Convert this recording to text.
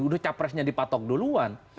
udah capresnya dipatok duluan